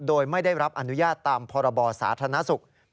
โดยไม่ได้รับอนุญาตตามพรบสาธารณสุข